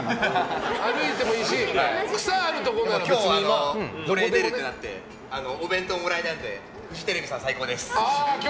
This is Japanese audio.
今日、これに出るってなってお弁当もらえたのでフジテレビさん、最高です。